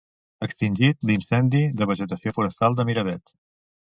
Extingit l'incendi de vegetació forestal de Miravet.